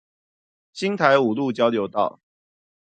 新台五路交流道